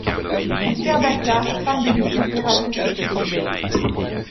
Il père d'Accia, femme de Lucius Neratius Priscus.